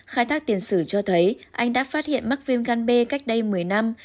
khai thác tiền sử cho thấy anh đã phát hiện mắc viêm gan b cách đây một mươi năm